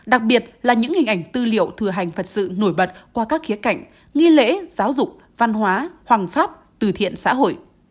đặc biệt là những hình ảnh tư liệu thừa hành thật sự nổi bật qua các khía cạnh nghi lễ giáo dục văn hóa hoàng pháp từ thiện xã hội